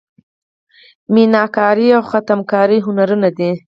میناکاري او خاتم کاري هنرونه دي.